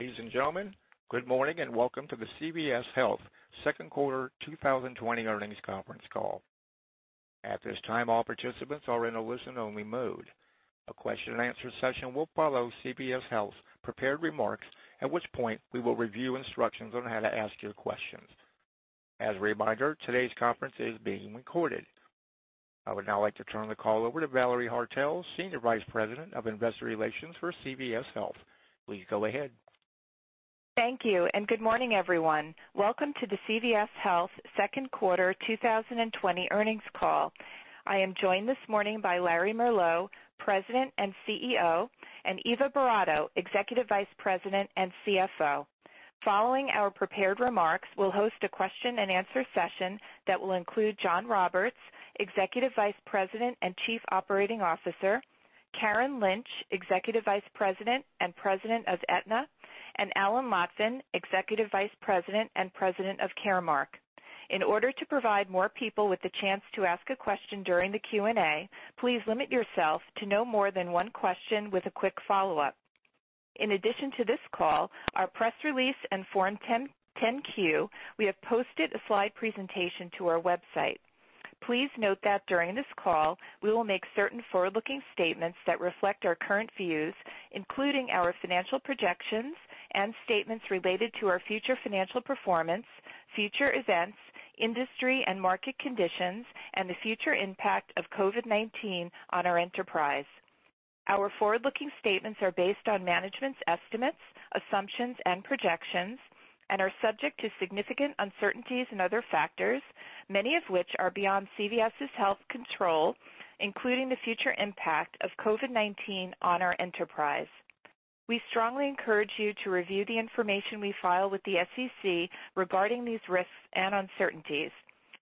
Ladies and gentlemen, good morning, and welcome to the CVS Health second quarter 2020 earnings conference call. At this time, all participants are in a listen-only mode. A question-and-answer session will follow CVS Health's prepared remarks, at which point we will review instructions on how to ask your questions. As a reminder, today's conference is being recorded. I would now like to turn the call over to Valerie Haertel, Senior Vice President of Investor Relations for CVS Health. Please go ahead. Thank you. Good morning, everyone. Welcome to the CVS Health second quarter 2020 earnings call. I am joined this morning by Larry Merlo, President and CEO, and Eva Boratto, Executive Vice President and CFO. Following our prepared remarks, we'll host a question-and-answer session that will include Jon Roberts, Executive Vice President and Chief Operating Officer, Karen Lynch, Executive Vice President and President of Aetna, and Alan Lotvin, Executive Vice President and President of Caremark. In order to provide more people with the chance to ask a question during the Q&A, please limit yourself to no more than one question with a quick follow-up. In addition to this call, our press release, and Form 10-Q, we have posted a slide presentation to our website. Please note that during this call, we will make certain forward-looking statements that reflect our current views, including our financial projections and statements related to our future financial performance, future events, industry and market conditions, and the future impact of COVID-19 on our enterprise. Our forward-looking statements are based on management's estimates, assumptions, and projections and are subject to significant uncertainties and other factors, many of which are beyond CVS Health's control, including the future impact of COVID-19 on our enterprise. We strongly encourage you to review the information we file with the SEC regarding these risks and uncertainties,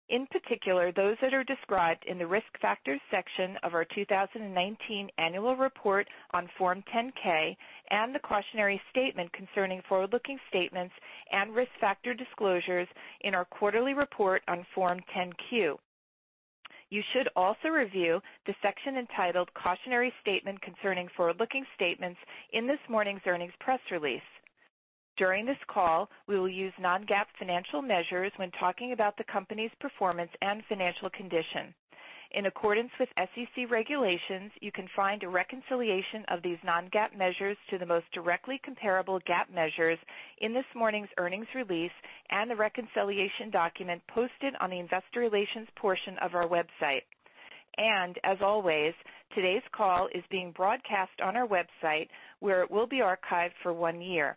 in particular, those that are described in the Risk Factors section of our 2019 annual report on Form 10-K, and the Cautionary Statement Concerning Forward-Looking Statements and Risk Factor Disclosures in our quarterly report on Form 10-Q. You should also review the section entitled Cautionary Statement Concerning Forward-Looking Statements in this morning's earnings press release. During this call, we will use non-GAAP financial measures when talking about the company's performance and financial condition. In accordance with SEC regulations, you can find a reconciliation of these non-GAAP measures to the most directly comparable GAAP measures in this morning's earnings release and the reconciliation document posted on the investor relations portion of our website. As always, today's call is being broadcast on our website, where it will be archived for one year.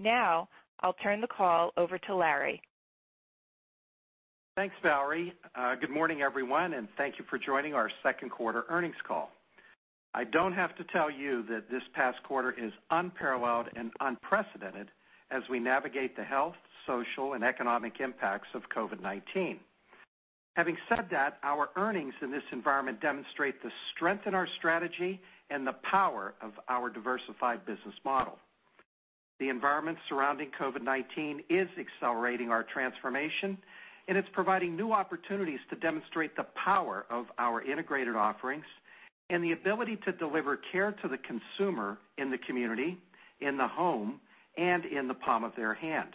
Now, I'll turn the call over to Larry. Thanks, Valerie. Good morning, everyone, and thank you for joining our second quarter earnings call. I don't have to tell you that this past quarter is unparalleled and unprecedented as we navigate the health, social, and economic impacts of COVID-19. Having said that, our earnings in this environment demonstrate the strength in our strategy and the power of our diversified business model. The environment surrounding COVID-19 is accelerating our transformation, and it's providing new opportunities to demonstrate the power of our integrated offerings and the ability to deliver care to the consumer in the community, in the home, and in the palm of their hand.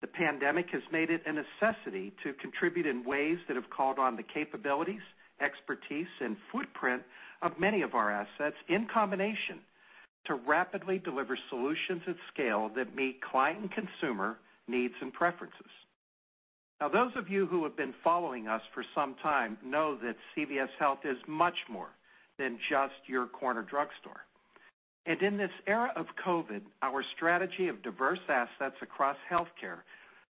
The pandemic has made it a necessity to contribute in ways that have called on the capabilities, expertise, and footprint of many of our assets in combination to rapidly deliver solutions at scale that meet client and consumer needs and preferences. Those of you who have been following us for some time know that CVS Health is much more than just your corner drugstore. In this era of COVID, our strategy of diverse assets across healthcare,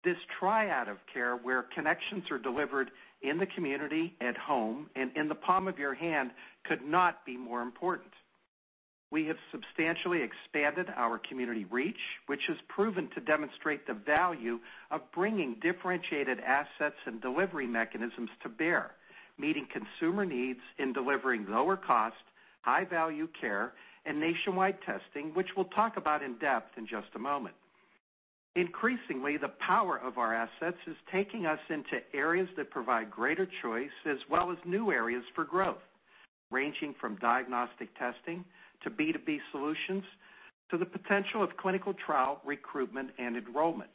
this triad of care where connections are delivered in the community, at home, and in the palm of your hand could not be more important. We have substantially expanded our community reach, which has proven to demonstrate the value of bringing differentiated assets and delivery mechanisms to bear. Meeting consumer needs in delivering lower cost, high-value care, and nationwide testing, which we'll talk about in depth in just a moment. Increasingly, the power of our assets is taking us into areas that provide greater choice as well as new areas for growth, ranging from diagnostic testing to B2B solutions to the potential of clinical trial recruitment and enrollment.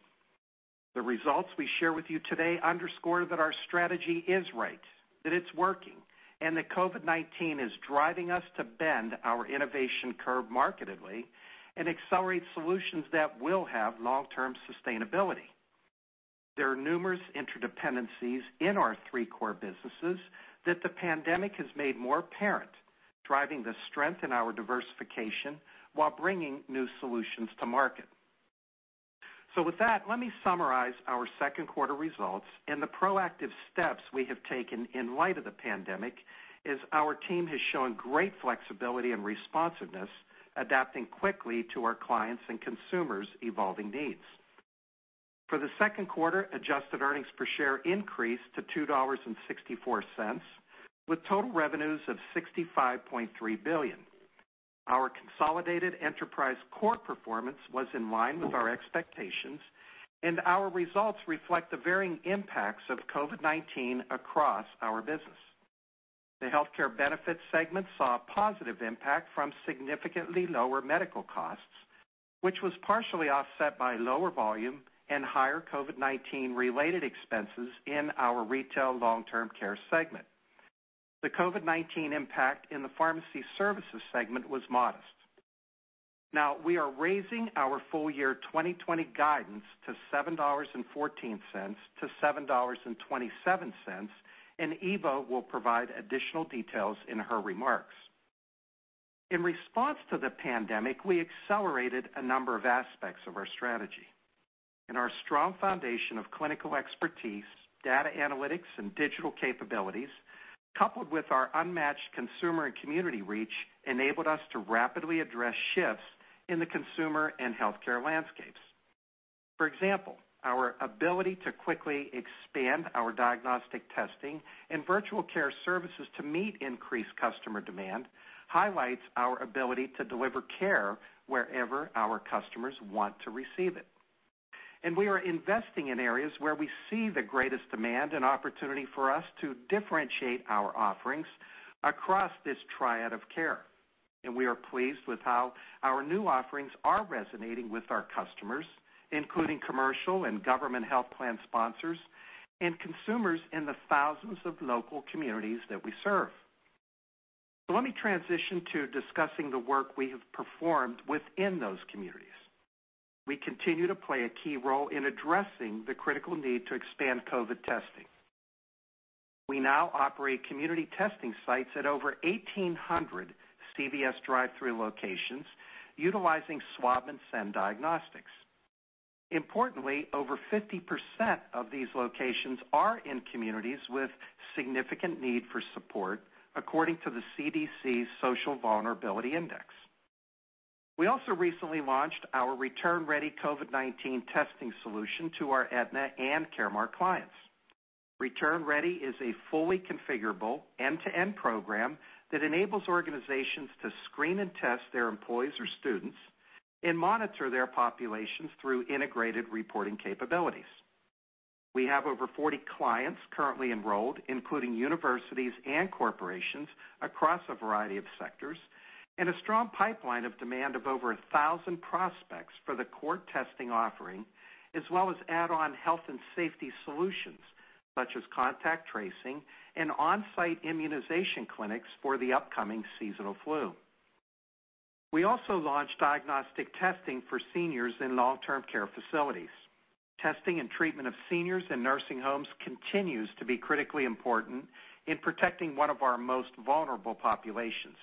The results we share with you today underscore that our strategy is right, that it's working, and that COVID-19 is driving us to bend our innovation curve markedly and accelerate solutions that will have long-term sustainability. There are numerous interdependencies in our three core businesses that the pandemic has made more apparent, driving the strength in our diversification while bringing new solutions to market. With that, let me summarize our second quarter results and the proactive steps we have taken in light of the pandemic, as our team has shown great flexibility and responsiveness, adapting quickly to our clients' and consumers' evolving needs. For the second quarter, adjusted earnings per share increased to $2.64, with total revenues of $65.3 billion. Our consolidated enterprise core performance was in line with our expectations. Our results reflect the varying impacts of COVID-19 across our business. The healthcare benefits segment saw a positive impact from significantly lower medical costs, which was partially offset by lower volume and higher COVID-19 related expenses in our retail long-term care segment. The COVID-19 impact in the pharmacy services segment was modest. We are raising our full year 2020 guidance to $7.14 to $7.27. Eva will provide additional details in her remarks. In response to the pandemic, we accelerated a number of aspects of our strategy. In our strong foundation of clinical expertise, data analytics, and digital capabilities, coupled with our unmatched consumer and community reach, enabled us to rapidly address shifts in the consumer and healthcare landscapes. For example, our ability to quickly expand our diagnostic testing and virtual care services to meet increased customer demand highlights our ability to deliver care wherever our customers want to receive it. We are investing in areas where we see the greatest demand and opportunity for us to differentiate our offerings across this triad of care. We are pleased with how our new offerings are resonating with our customers, including commercial and government health plan sponsors, and consumers in the thousands of local communities that we serve. Let me transition to discussing the work we have performed within those communities. We continue to play a key role in addressing the critical need to expand COVID testing. We now operate community testing sites at over 1,800 CVS drive-thru locations utilizing swab-and-send diagnostics. Importantly, over 50% of these locations are in communities with significant need for support, according to the CDC Social Vulnerability Index. We also recently launched our Return Ready COVID-19 testing solution to our Aetna and Caremark clients. Return Ready is a fully configurable end-to-end program that enables organizations to screen and test their employees or students and monitor their populations through integrated reporting capabilities. We have over 40 clients currently enrolled, including universities and corporations across a variety of sectors, and a strong pipeline of demand of over 1,000 prospects for the core testing offering, as well as add-on health and safety solutions such as contact tracing and on-site immunization clinics for the upcoming seasonal flu. We also launched diagnostic testing for seniors in long-term care facilities. Testing and treatment of seniors in nursing homes continues to be critically important in protecting one of our most vulnerable populations.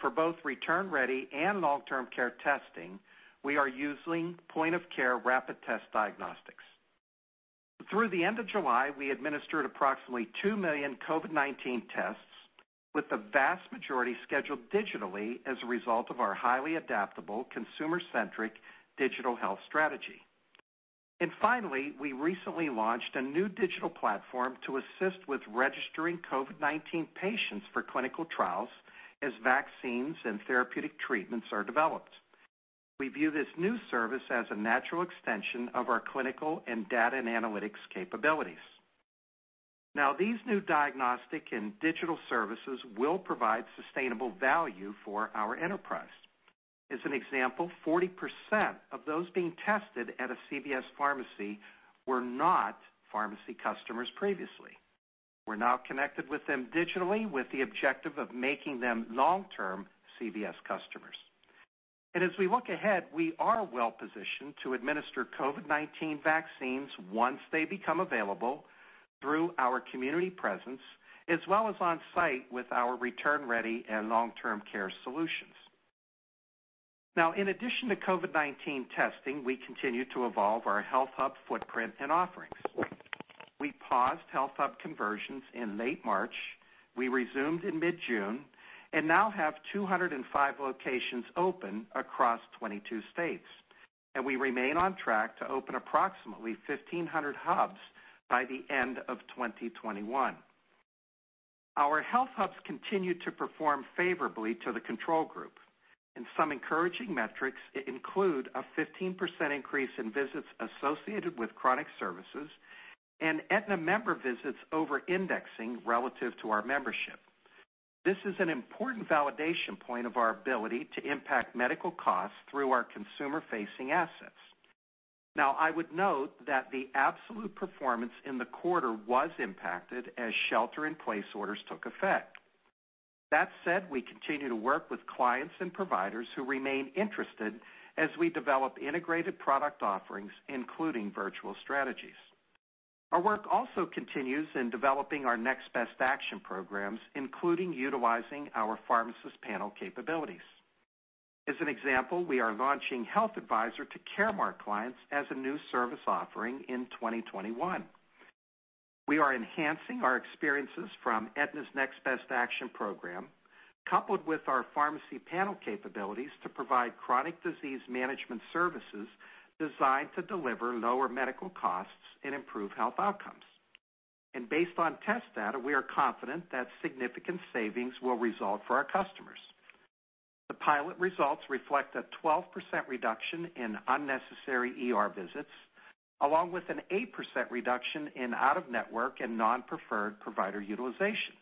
For both Return Ready and long-term care testing, we are using point-of-care rapid test diagnostics. Through the end of July, we administered approximately 2 million COVID-19 tests with the vast majority scheduled digitally as a result of our highly adaptable, consumer-centric digital health strategy. Finally, we recently launched a new digital platform to assist with registering COVID-19 patients for clinical trials as vaccines and therapeutic treatments are developed. We view this new service as a natural extension of our clinical and data and analytics capabilities. These new diagnostic and digital services will provide sustainable value for our enterprise. As an example, 40% of those being tested at a CVS Pharmacy were not pharmacy customers previously. We're now connected with them digitally with the objective of making them long-term CVS customers. As we look ahead, we are well-positioned to administer COVID-19 vaccines once they become available through our community presence, as well as on-site with our Return Ready and long-term care solutions. In addition to COVID-19 testing, we continue to evolve our HealthHUB footprint and offerings. We paused HealthHUB conversions in late March. We resumed in mid-June and now have 205 locations open across 22 states. We remain on track to open approximately 1,500 hubs by the end of 2021. Our HealthHUBs continue to perform favorably to the control group, and some encouraging metrics include a 15% increase in visits associated with chronic services and Aetna member visits over-indexing relative to our membership. This is an important validation point of our ability to impact medical costs through our consumer-facing assets. I would note that the absolute performance in the quarter was impacted as shelter in place orders took effect. We continue to work with clients and providers who remain interested as we develop integrated product offerings, including virtual strategies. Our work also continues in developing our Next Best Action programs, including utilizing our pharmacist panel capabilities. As an example, we are launching Health Advisor to Caremark clients as a new service offering in 2021. We are enhancing our experiences from Aetna's Next Best Action program, coupled with our pharmacy panel capabilities to provide chronic disease management services designed to deliver lower medical costs and improve health outcomes. Based on test data, we are confident that significant savings will result for our customers. The pilot results reflect a 12% reduction in unnecessary ER visits, along with an 8% reduction in out-of-network and non-preferred provider utilization.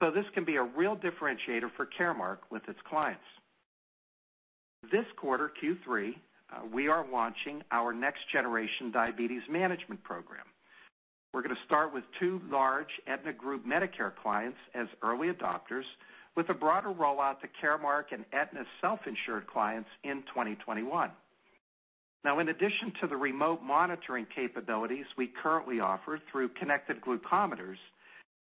This can be a real differentiator for Caremark with its clients. This quarter, Q3, we are launching our next generation diabetes management program. We're going to start with two large Aetna group Medicare clients as early adopters with a broader rollout to Caremark and Aetna self-insured clients in 2021. In addition to the remote monitoring capabilities we currently offer through connected glucometers,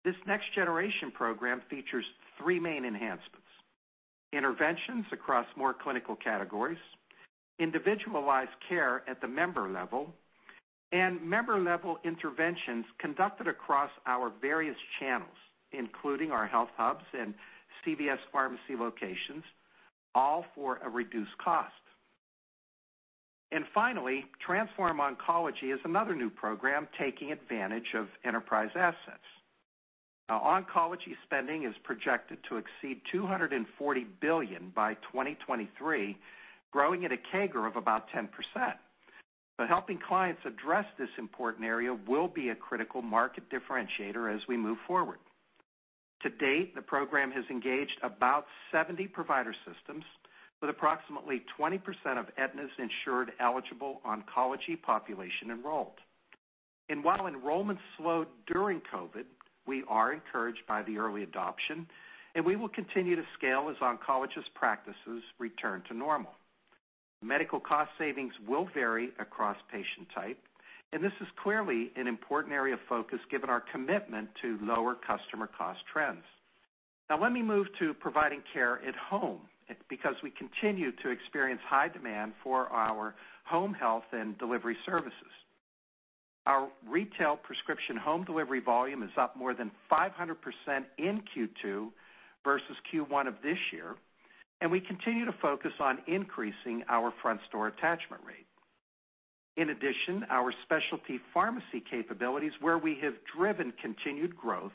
this next generation program features three main enhancements, interventions across more clinical categories, individualized care at the member level, and member level interventions conducted across our various channels, including our HealthHUBs and CVS Pharmacy locations, all for a reduced cost. Finally, Transform Oncology is another new program taking advantage of enterprise assets. Oncology spending is projected to exceed $240 billion by 2023, growing at a CAGR of about 10%. Helping clients address this important area will be a critical market differentiator as we move forward. To date, the program has engaged about 70 provider systems with approximately 20% of Aetna's insured eligible oncology population enrolled. While enrollment slowed during COVID-19, we are encouraged by the early adoption, and we will continue to scale as oncologists' practices return to normal. Medical cost savings will vary across patient type, and this is clearly an important area of focus given our commitment to lower customer cost trends. Let me move to providing care at home because we continue to experience high demand for our home health and delivery services. Our retail prescription home delivery volume is up more than 500% in Q2 versus Q1 of this year, and we continue to focus on increasing our front store attachment rate. In addition, our specialty pharmacy capabilities, where we have driven continued growth,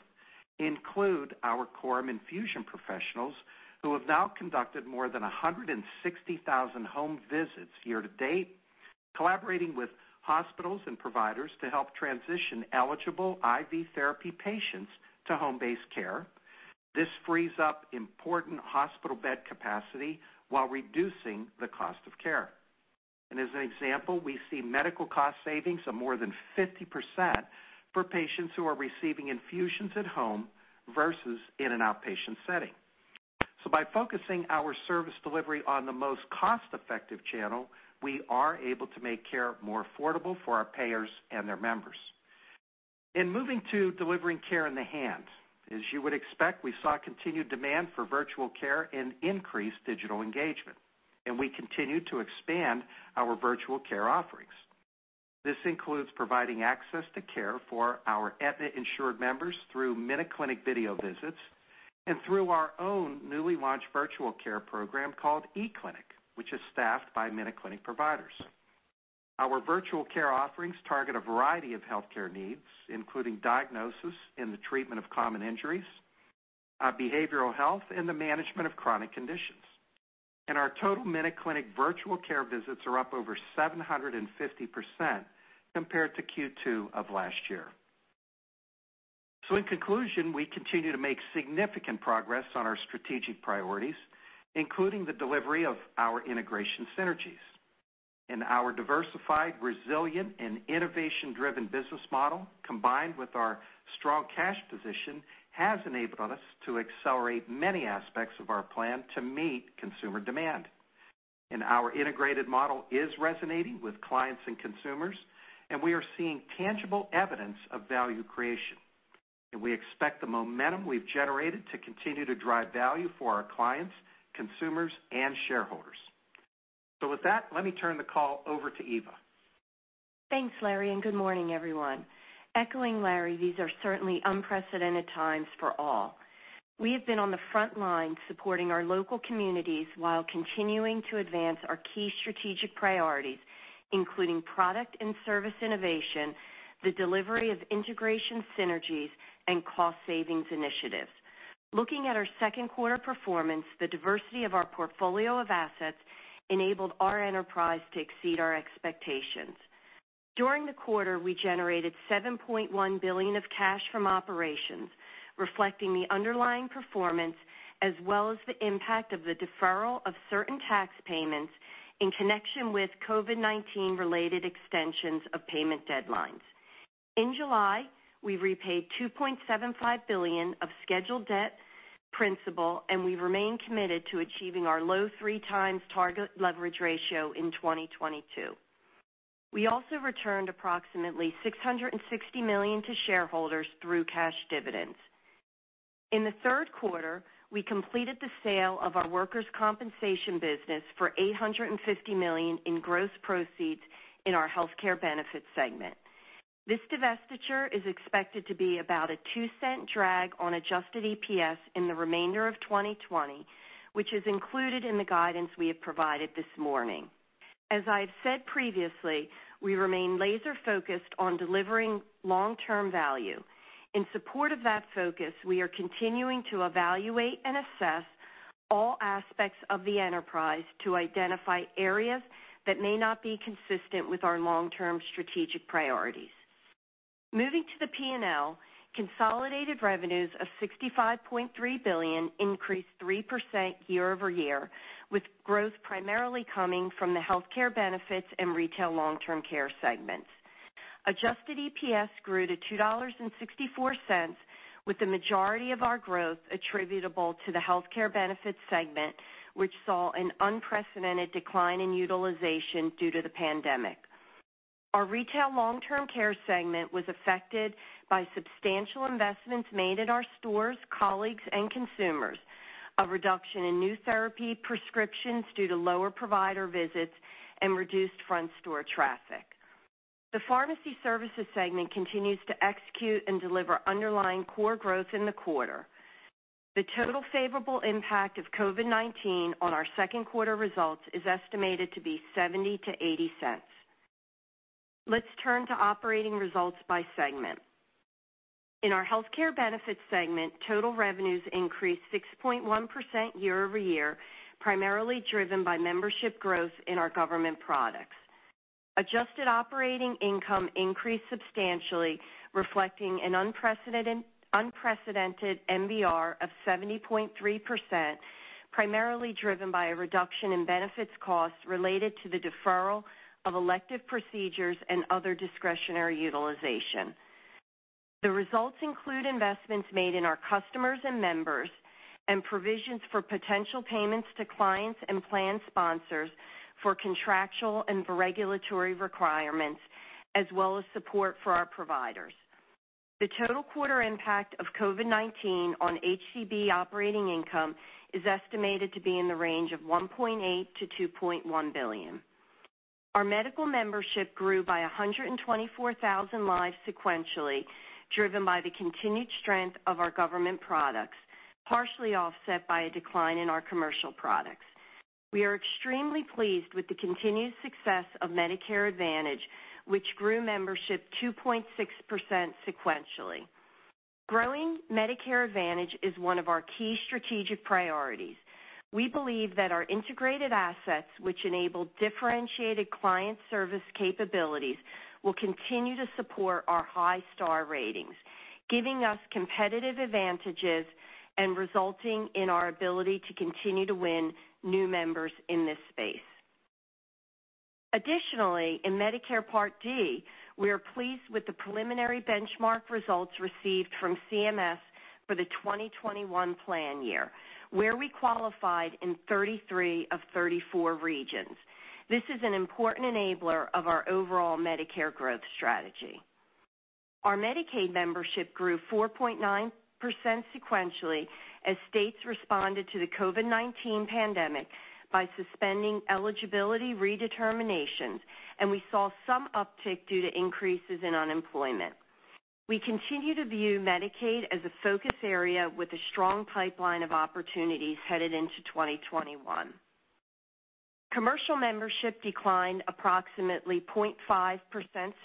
include our Coram infusion professionals, who have now conducted more than 160,000 home visits year to date, collaborating with hospitals and providers to help transition eligible IV therapy patients to home-based care. This frees up important hospital bed capacity while reducing the cost of care. As an example, we see medical cost savings of more than 50% for patients who are receiving infusions at home versus in an outpatient setting. By focusing our service delivery on the most cost-effective channel, we are able to make care more affordable for our payers and their members. In moving to delivering care in the hand, as you would expect, we saw continued demand for virtual care and increased digital engagement, and we continue to expand our virtual care offerings. This includes providing access to care for our Aetna insured members through MinuteClinic video visits and through our own newly launched virtual care program called eClinic, which is staffed by MinuteClinic providers. Our virtual care offerings target a variety of healthcare needs, including diagnosis in the treatment of common injuries, behavioral health, and the management of chronic conditions. Our total MinuteClinic virtual care visits are up over 750% compared to Q2 of last year. In conclusion, we continue to make significant progress on our strategic priorities, including the delivery of our integration synergies. Our diversified, resilient, and innovation-driven business model, combined with our strong cash position, has enabled us to accelerate many aspects of our plan to meet consumer demand. Our integrated model is resonating with clients and consumers, and we are seeing tangible evidence of value creation. We expect the momentum we've generated to continue to drive value for our clients, consumers, and shareholders. With that, let me turn the call over to Eva. Thanks, Larry, and good morning, everyone. Echoing Larry, these are certainly unprecedented times for all. We have been on the front lines supporting our local communities while continuing to advance our key strategic priorities, including product and service innovation, the delivery of integration synergies, and cost savings initiatives. Looking at our second quarter performance, the diversity of our portfolio of assets enabled our enterprise to exceed our expectations. During the quarter, we generated $7.1 billion of cash from operations, reflecting the underlying performance as well as the impact of the deferral of certain tax payments in connection with COVID-19 related extensions of payment deadlines. In July, we repaid $2.75 billion of scheduled debt principal, and we remain committed to achieving our low three times target leverage ratio in 2022. We also returned approximately $660 million to shareholders through cash dividends. In the third quarter, we completed the sale of our workers' compensation business for $850 million in gross proceeds in our Healthcare Benefits segment. This divestiture is expected to be about a $0.02 drag on adjusted EPS in the remainder of 2020, which is included in the guidance we have provided this morning. As I've said previously, we remain laser-focused on delivering long-term value. In support of that focus, we are continuing to evaluate and assess all aspects of the enterprise to identify areas that may not be consistent with our long-term strategic priorities. Moving to the P&L, consolidated revenues of $65.3 billion increased 3% year-over-year, with growth primarily coming from the Healthcare Benefits and Retail Long-Term Care segments. Adjusted EPS grew to $2.64, with the majority of our growth attributable to the Healthcare Benefits segment, which saw an unprecedented decline in utilization due to the pandemic. Our Retail Long-Term Care segment was affected by substantial investments made at our stores, colleagues, and consumers, a reduction in new therapy prescriptions due to lower provider visits, and reduced front store traffic. The Pharmacy Services segment continues to execute and deliver underlying core growth in the quarter. The total favorable impact of COVID-19 on our second quarter results is estimated to be $0.70-$0.80. Let's turn to operating results by segment. In our Healthcare Benefits segment, total revenues increased 6.1% year-over-year, primarily driven by membership growth in our government products. Adjusted operating income increased substantially, reflecting an unprecedented MBR of 70.3%, primarily driven by a reduction in benefits costs related to the deferral of elective procedures and other discretionary utilization. The results include investments made in our customers and members and provisions for potential payments to clients and plan sponsors for contractual and regulatory requirements, as well as support for our providers. The total quarter impact of COVID-19 on HCB operating income is estimated to be in the range of $1.8 billion-$2.1 billion. Our medical membership grew by 124,000 lives sequentially, driven by the continued strength of our government products, partially offset by a decline in our commercial products. We are extremely pleased with the continued success of Medicare Advantage, which grew membership 2.6% sequentially. Growing Medicare Advantage is one of our key strategic priorities. We believe that our integrated assets, which enable differentiated client service capabilities, will continue to support our high Star Ratings, giving us competitive advantages and resulting in our ability to continue to win new members in this space. Additionally, in Medicare Part D, we are pleased with the preliminary benchmark results received from CMS for the 2021 plan year, where we qualified in 33 of 34 regions. This is an important enabler of our overall Medicare growth strategy. Our Medicaid membership grew 4.9% sequentially as states responded to the COVID-19 pandemic by suspending eligibility redeterminations, and we saw some uptick due to increases in unemployment. We continue to view Medicaid as a focus area with a strong pipeline of opportunities headed into 2021. Commercial membership declined approximately 0.5%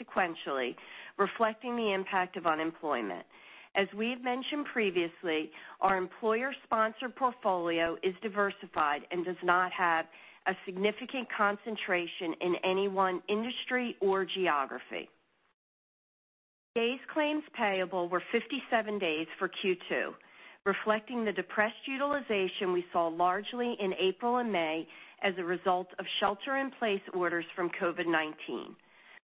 sequentially, reflecting the impact of unemployment. As we've mentioned previously, our employer sponsor portfolio is diversified and does not have a significant concentration in any one industry or geography. Days claims payable were 57 days for Q2, reflecting the depressed utilization we saw largely in April and May as a result of shelter in place orders from COVID-19.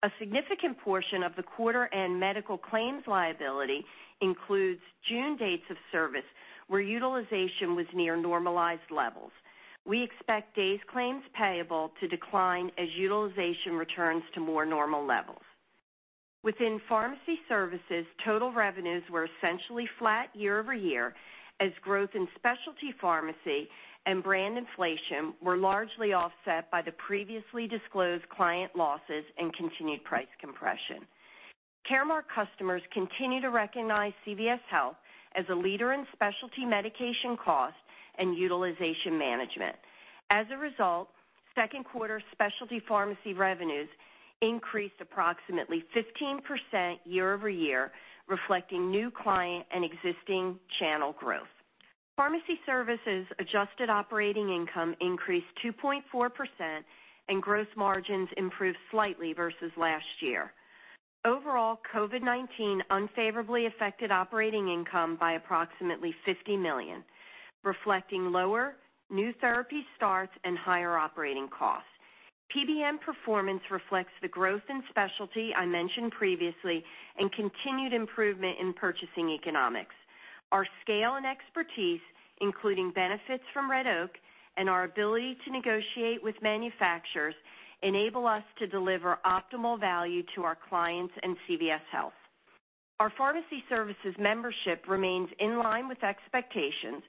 A significant portion of the quarter and medical claims liability includes June dates of service, where utilization was near normalized levels. We expect days claims payable to decline as utilization returns to more normal levels. Within pharmacy services, total revenues were essentially flat year-over-year as growth in specialty pharmacy and brand inflation were largely offset by the previously disclosed client losses and continued price compression. Caremark customers continue to recognize CVS Health as a leader in specialty medication cost and utilization management. As a result, second quarter specialty pharmacy revenues increased approximately 15% year-over-year, reflecting new client and existing channel growth. Pharmacy services adjusted operating income increased 2.4% and gross margins improved slightly versus last year. Overall, COVID-19 unfavorably affected operating income by approximately $50 million, reflecting lower new therapy starts and higher operating costs. PBM performance reflects the growth in specialty I mentioned previously and continued improvement in purchasing economics. Our scale and expertise, including benefits from Red Oak and our ability to negotiate with manufacturers, enable us to deliver optimal value to our clients and CVS Health. Our pharmacy services membership remains in line with expectations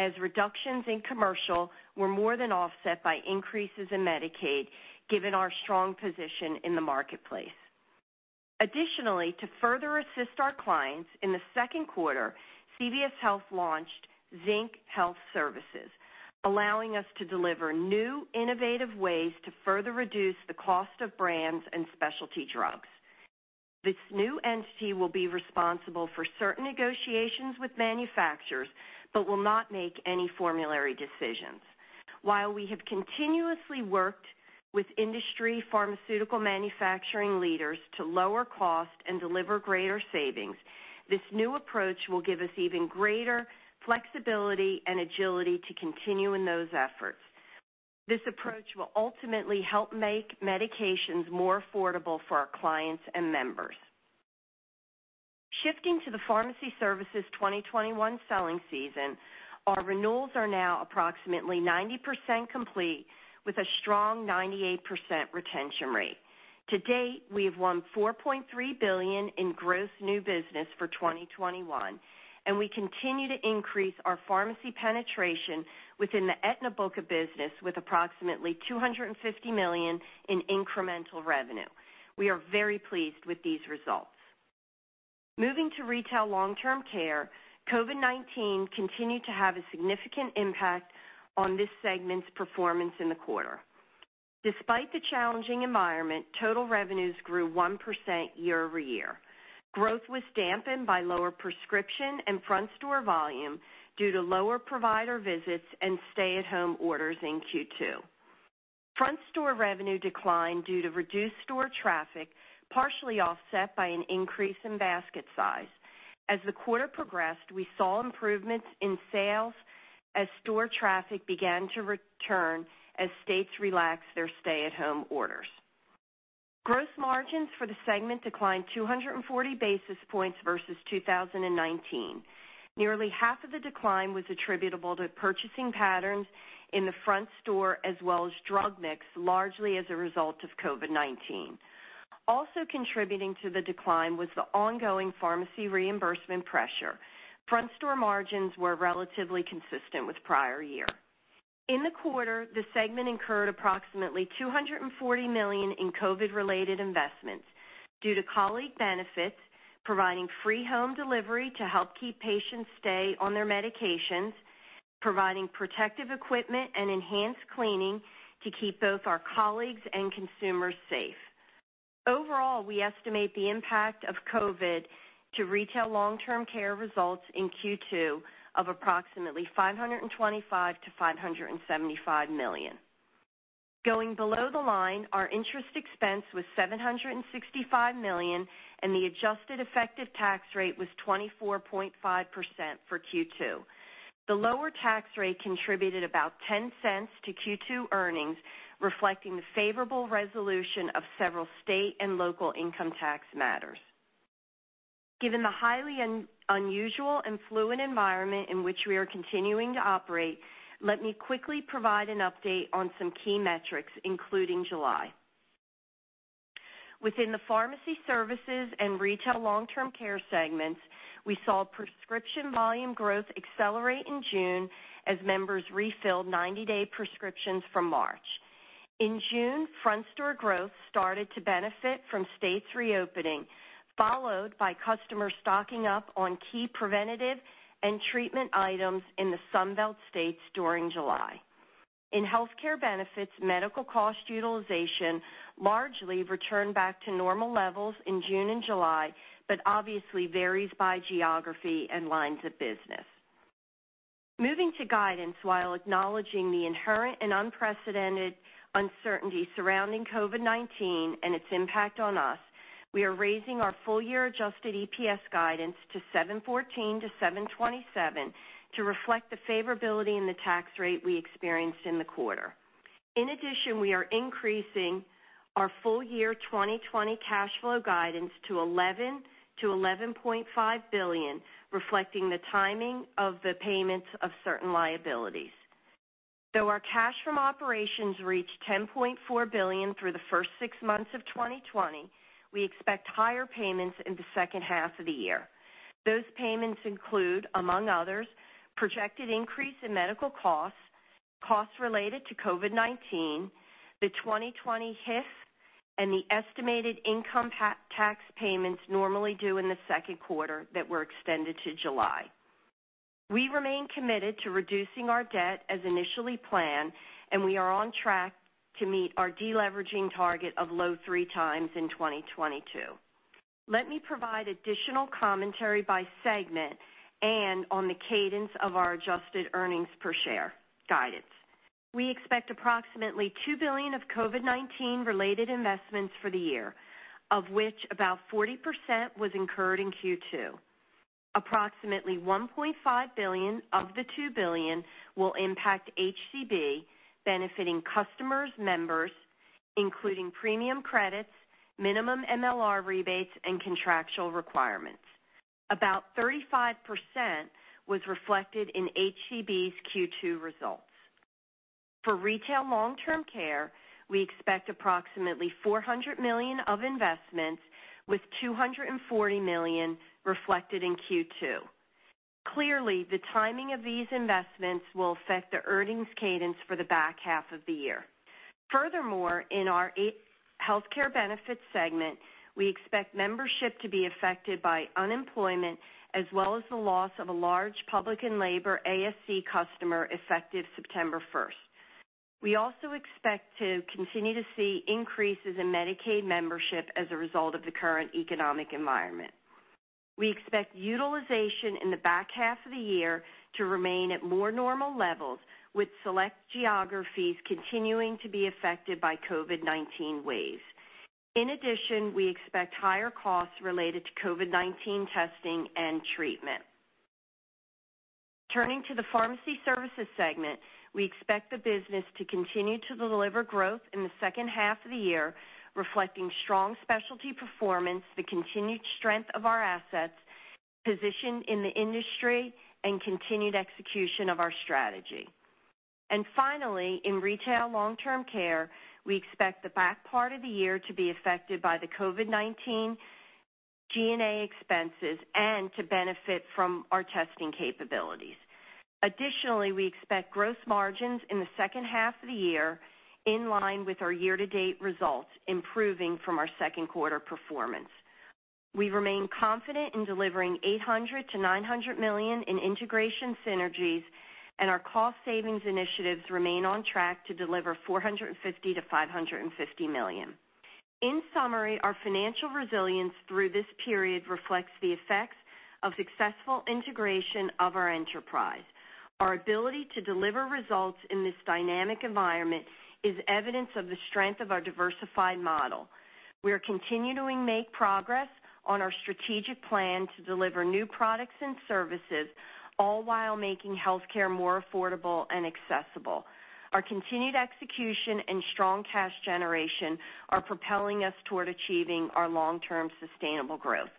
as reductions in commercial were more than offset by increases in Medicaid, given our strong position in the marketplace. To further assist our clients, in the second quarter, CVS Health launched Zinc Health Services, allowing us to deliver new, innovative ways to further reduce the cost of brands and specialty drugs. This new entity will be responsible for certain negotiations with manufacturers but will not make any formulary decisions. While we have continuously worked with industry pharmaceutical manufacturing leaders to lower cost and deliver greater savings, this new approach will give us even greater flexibility and agility to continue in those efforts. This approach will ultimately help make medications more affordable for our clients and members. Shifting to the Pharmacy Services 2021 selling season, our renewals are now approximately 90% complete with a strong 98% retention rate. To date, we have won $4.3 billion in gross new business for 2021, and we continue to increase our pharmacy penetration within the Aetna book of business with approximately $250 million in incremental revenue. We are very pleased with these results. Moving to Retail Long-Term Care, COVID-19 continued to have a significant impact on this segment's performance in the quarter. Despite the challenging environment, total revenues grew 1% year-over-year. Growth was dampened by lower prescription and front store volume due to lower provider visits and stay-at-home orders in Q2. Front store revenue declined due to reduced store traffic, partially offset by an increase in basket size. As the quarter progressed, we saw improvements in sales as store traffic began to return as states relaxed their stay-at-home orders. Gross margins for the segment declined 240 basis points versus 2019. Nearly half of the decline was attributable to purchasing patterns in the front store as well as drug mix, largely as a result of COVID-19. Also contributing to the decline was the ongoing pharmacy reimbursement pressure. Front store margins were relatively consistent with prior year. In the quarter, the segment incurred approximately $240 million in COVID-related investments due to colleague benefits, providing free home delivery to help keep patients stay on their medications, providing protective equipment and enhanced cleaning to keep both our colleagues and consumers safe. Overall, we estimate the impact of COVID to Retail Long-Term Care results in Q2 of approximately $525 million-$575 million. Going below the line, our interest expense was $765 million, and the adjusted effective tax rate was 24.5% for Q2. The lower tax rate contributed about $0.10 to Q2 earnings, reflecting the favorable resolution of several state and local income tax matters. Given the highly unusual and fluid environment in which we are continuing to operate, let me quickly provide an update on some key metrics, including July. Within the Pharmacy Services and Retail Long-Term Care segments, we saw prescription volume growth accelerate in June as members refilled 90-day prescriptions from March. In June, front store growth started to benefit from states reopening, followed by customers stocking up on key preventative and treatment items in the Sun Belt states during July. In healthcare benefits, medical cost utilization largely returned back to normal levels in June and July, but obviously varies by geography and lines of business. Moving to guidance, while acknowledging the inherent and unprecedented uncertainty surrounding COVID-19 and its impact on us, we are raising our full-year adjusted EPS guidance to $7.14-$7.27 to reflect the favorability in the tax rate we experienced in the quarter. In addition, we are increasing our full-year 2020 cash flow guidance to $11 billion-$11.5 billion, reflecting the timing of the payments of certain liabilities. Though our cash from operations reached $10.4 billion through the first six months of 2020, we expect higher payments in the second half of the year. Those payments include, among others, projected increase in medical costs related to COVID-19, the 2020 HIF, and the estimated income tax payments normally due in the second quarter that were extended to July. We remain committed to reducing our debt as initially planned, and we are on track to meet our deleveraging target of low three times in 2022. Let me provide additional commentary by segment and on the cadence of our adjusted earnings per share guidance. We expect approximately $2 billion of COVID-19 related investments for the year, of which about 40% was incurred in Q2. Approximately $1.5 billion of the $2 billion will impact HCB, benefiting customers, members, including premium credits, minimum MLR rebates, and contractual requirements. About 35% was reflected in HCB's Q2 results. For Retail Long-Term Care, we expect approximately $400 million of investments with $240 million reflected in Q2. Clearly, the timing of these investments will affect the earnings cadence for the back half of the year. Furthermore, in our healthcare benefits segment, we expect membership to be affected by unemployment as well as the loss of a large public and labor ASC customer effective September 1st. We also expect to continue to see increases in Medicaid membership as a result of the current economic environment. We expect utilization in the back half of the year to remain at more normal levels, with select geographies continuing to be affected by COVID-19 waves. In addition, we expect higher costs related to COVID-19 testing and treatment. Turning to the pharmacy services segment, we expect the business to continue to deliver growth in the second half of the year, reflecting strong specialty performance, the continued strength of our assets, position in the industry, and continued execution of our strategy. Finally, in retail long-term care, we expect the back part of the year to be affected by the COVID-19 G&A expenses and to benefit from our testing capabilities. Additionally, we expect gross margins in the second half of the year in line with our year-to-date results, improving from our second quarter performance. We remain confident in delivering $800 million-$900 million in integration synergies, and our cost savings initiatives remain on track to deliver $450 million-$550 million. In summary, our financial resilience through this period reflects the effects of successful integration of our enterprise. Our ability to deliver results in this dynamic environment is evidence of the strength of our diversified model. We are continuing to make progress on our strategic plan to deliver new products and services, all while making healthcare more affordable and accessible. Our continued execution and strong cash generation are propelling us toward achieving our long-term sustainable growth.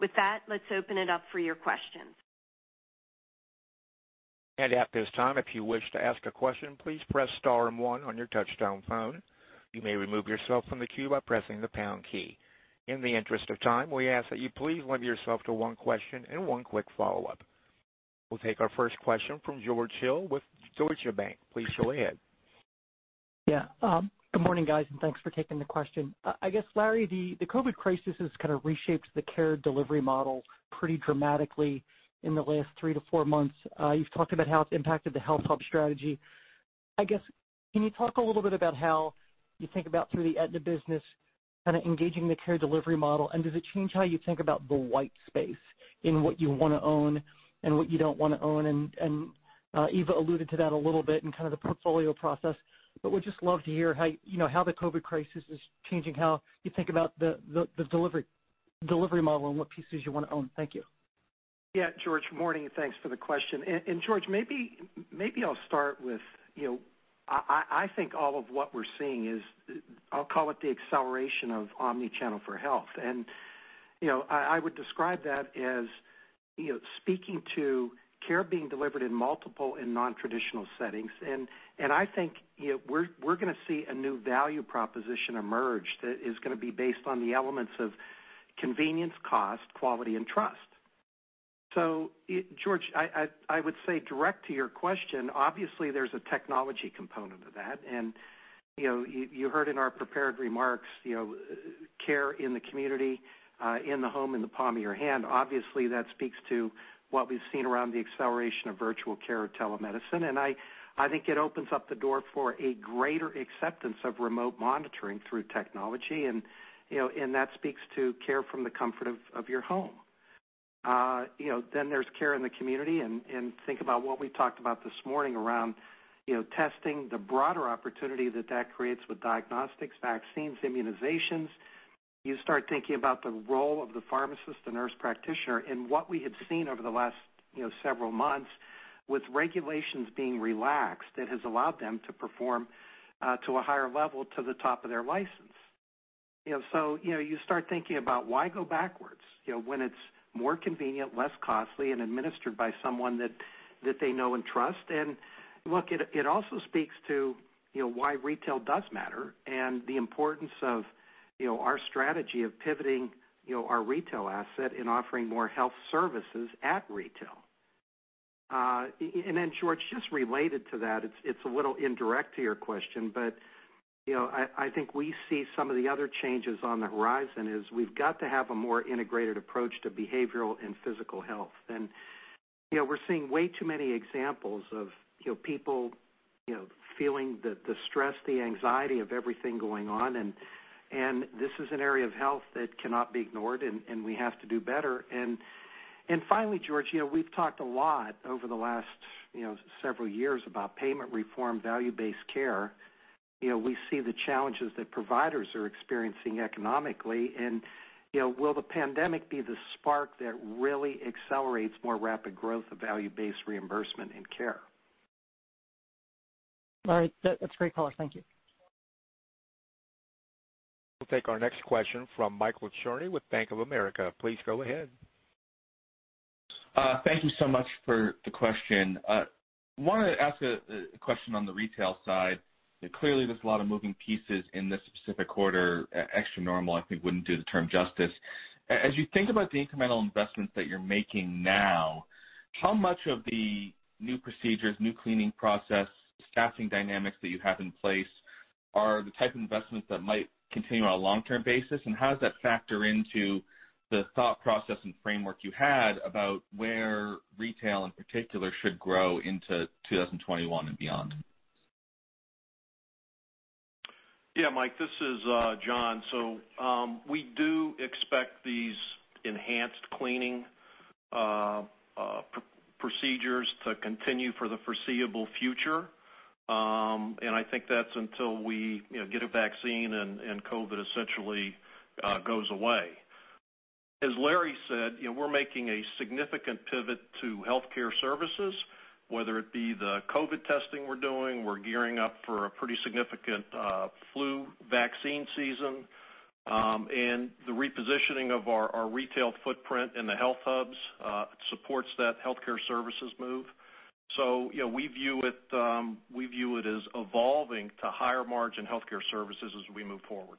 With that, let's open it up for your questions. At this time, if you wish to ask a question, please press star and one on your touchtone phone. You may remove yourself from the queue by pressing the pound key. In the interest of time, we ask that you please limit yourself to one question and one quick follow-up. We'll take our first question from George Hill with Deutsche Bank. Please go ahead. Yeah. Good morning, guys, and thanks for taking the question. I guess, Larry, the COVID crisis has kind of reshaped the care delivery model pretty dramatically in the last three to four months. You've talked about how it's impacted the HealthHUB strategy. I guess, can you talk a little bit about how you think about through the Aetna business, kind of engaging the care delivery model? Does it change how you think about the white space in what you want to own and what you don't want to own? Eva alluded to that a little bit in kind of the portfolio process, but would just love to hear how the COVID crisis is changing how you think about the delivery model and what pieces you want to own. Thank you. Yeah. George, good morning, and thanks for the question. George, maybe I'll start with, I think all of what we're seeing is, I'll call it the acceleration of omni-channel for health. I would describe that as speaking to care being delivered in multiple and non-traditional settings. I think we're going to see a new value proposition emerge that is going to be based on the elements of convenience, cost, quality, and trust. George, I would say direct to your question, obviously, there's a technology component of that. You heard in our prepared remarks, care in the community, in the home, in the palm of your hand. Obviously, that speaks to what we've seen around the acceleration of virtual care or telemedicine. I think it opens up the door for a greater acceptance of remote monitoring through technology. That speaks to care from the comfort of your home. There's care in the community, and think about what we talked about this morning around testing, the broader opportunity that that creates with diagnostics, vaccines, immunizations. You start thinking about the role of the pharmacist or nurse practitioner. What we have seen over the last several months with regulations being relaxed, it has allowed them to perform to a higher level to the top of their license. You start thinking about why go backwards when it's more convenient, less costly, and administered by someone that they know and trust. Look, it also speaks to why retail does matter and the importance of our strategy of pivoting our retail asset and offering more health services at retail. George, just related to that, it's a little indirect to your question, but I think we see some of the other changes on the horizon is we've got to have a more integrated approach to behavioral and physical health. We're seeing way too many examples of people feeling the stress, the anxiety of everything going on, and this is an area of health that cannot be ignored, and we have to do better. Finally, George, we've talked a lot over the last several years about payment reform, value-based care. We see the challenges that providers are experiencing economically, and will the pandemic be the spark that really accelerates more rapid growth of value-based reimbursement in care? All right. That's a great call. Thank you. We'll take our next question from Michael Cherny with Bank of America. Please go ahead. Thank you so much for the question. Wanted to ask a question on the retail side. Clearly, there's a lot of moving pieces in this specific quarter, extraordinary, I think wouldn't do the term justice. As you think about the incremental investments that you're making now, how much of the new procedures, new cleaning process, staffing dynamics that you have in place are the type of investments that might continue on a long-term basis, and how does that factor into the thought process and framework you had about where retail, in particular, should grow into 2021 and beyond? Yeah, Michael, this is Jon. We do expect these enhanced cleaning procedures to continue for the foreseeable future, and I think that's until we get a vaccine and COVID-19 essentially goes away. As Larry said, we're making a significant pivot to healthcare services, whether it be the COVID-19 testing we're doing, we're gearing up for a pretty significant flu vaccine season. The repositioning of our retail footprint in the HealthHUB supports that healthcare services move. We view it as evolving to higher margin healthcare services as we move forward.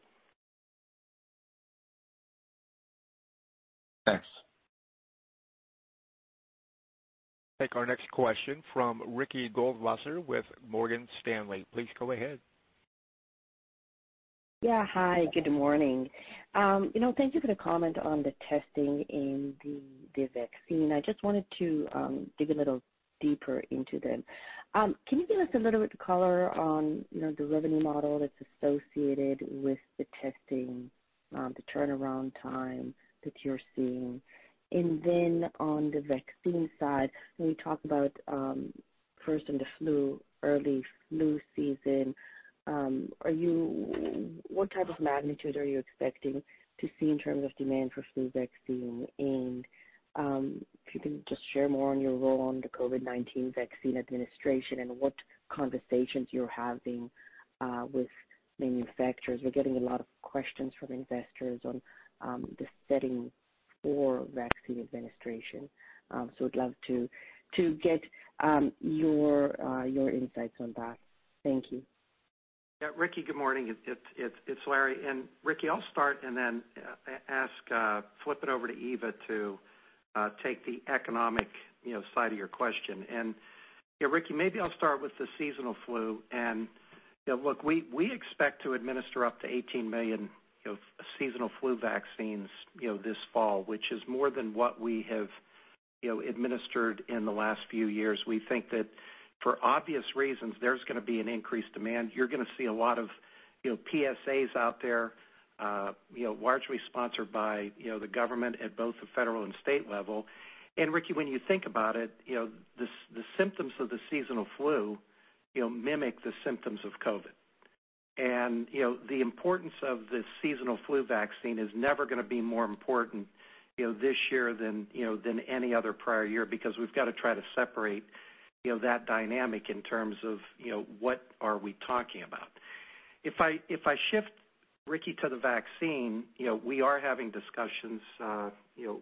Thanks. Take our next question from Ricky Goldwasser with Morgan Stanley. Please go ahead. Hi, good morning. Thank you for the comment on the testing and the vaccine. I just wanted to dig a little deeper into them. Can you give us a little bit of color on the revenue model that's associated with the testing, the turnaround time that you're seeing? On the vaccine side, when we talk about first in the early flu season, what type of magnitude are you expecting to see in terms of demand for flu vaccine? If you can just share more on your role on the COVID-19 vaccine administration and what conversations you're having with manufacturers. We're getting a lot of questions from investors on the setting for vaccine administration. Would love to get your insights on that. Thank you. Yeah, Ricky, good morning. It's Larry. Ricky, I'll start and then flip it over to Eva to take the economic side of your question. Yeah, Ricky, maybe I'll start with the seasonal flu, look, we expect to administer up to 18 million seasonal flu vaccines this fall, which is more than what we have administered in the last few years. We think that for obvious reasons, there's going to be an increased demand. You're going to see a lot of PSAs out there, largely sponsored by the government at both the federal and state level. Ricky, when you think about it, the symptoms of the seasonal flu mimic the symptoms of COVID. The importance of the seasonal flu vaccine is never going to be more important this year than any other prior year, because we've got to try to separate that dynamic in terms of what are we talking about. If I shift, Ricky, to the vaccine, we are having discussions